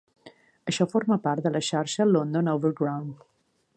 Això forma part de la xarxa London Overground.